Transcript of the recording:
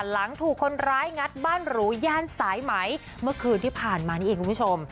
หลังถูกคนร้ายงัดบ้านหรูย่านสายไหมเมื่อคืนที่ผ่านมานี่เองคุณผู้ชม